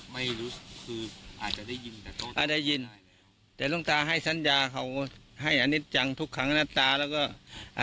ไม่รู้คืออาจจะได้ยินอาจจะได้ยินแต่หลวงตาให้สัญญาเขาให้อณิจจังทุกขังอณตาแล้วก็